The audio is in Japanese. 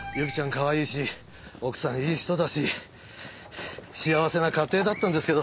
かわいいし奥さんいい人だし幸せな家庭だったんですけど。